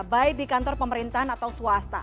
baik di kantor pemerintahan atau swasta